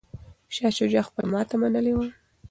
شاه شجاع خپله ماته منلې وه.